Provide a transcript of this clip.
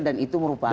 dan itu merupakan